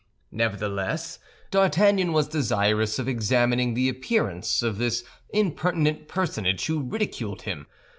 Nevertheless, D'Artagnan was desirous of examining the appearance of this impertinent personage who ridiculed him.